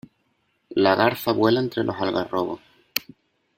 La garza vuela entre los algarrobos.